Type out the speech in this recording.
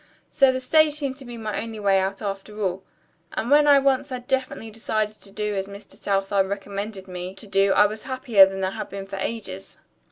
So the stage seemed to be my one way out after all. And when once I had definitely decided to do as Mr. Southard recommended me to do I was happier than I had been for ages."